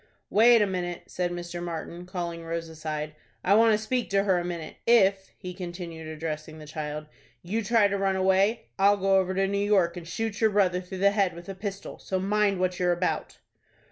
"Wait a minute," said Mr. Martin, calling Rose aside, "I want to speak to her a minute. If," he continued, addressing the child, "you try to run away, I'll go over to New York, and shoot your brother through the head with a pistol. So mind what you're about."